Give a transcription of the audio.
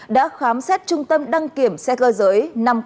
đã khám xét trung tâm đăng kiểm xe cơ giới năm mươi nghìn một trăm bốn mươi sáu